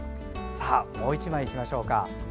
もう１枚いきましょうか。